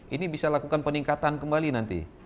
ini bisa lakukan peningkatan kembali nanti